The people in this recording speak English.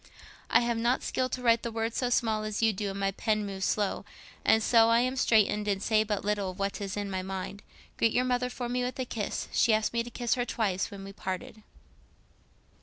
"I have not skill to write the words so small as you do and my pen moves slow. And so I am straitened, and say but little of what is in my mind. Greet your mother for me with a kiss. She asked me to kiss her twice when we parted."